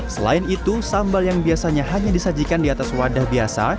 selain itu sambal yang biasanya hanya disajikan di atas wadah biasa